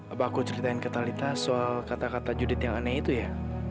apa aku ceritain ke talita soal kata kata judit yang aneh itu ya